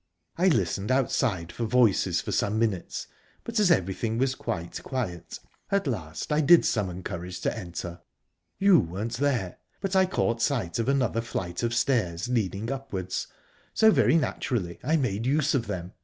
I listened outside for voices for some minutes, but, as everything was quite quiet, at last I did summon courage to enter. You weren't there, but I caught sight of another flight of stairs leading upwards, so very naturally I made use of them.